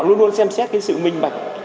luôn luôn xem xét cái sự minh mạch